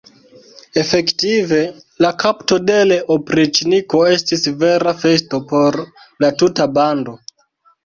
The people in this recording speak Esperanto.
Efektive, la kapto de l' opriĉniko estis vera festo por la tuta bando.